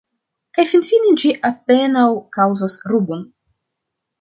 Kaj finfine ĝi apenaŭ kaŭzas rubon.